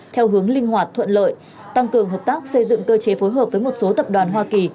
theo hướng linh hoạt thuận lợi tăng cường hợp tác xây dựng cơ chế phối hợp với một số tập đoàn hoa kỳ